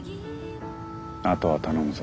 あとは頼むぞ。